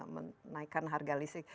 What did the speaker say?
menaikkan harga listrik